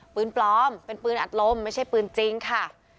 ปืนปลอมเป็นปืนอัดลมไม่ใช่ปืนจริงค่ะ